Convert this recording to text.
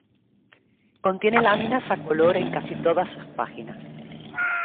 Contiene láminas a color en casi todas sus páginas.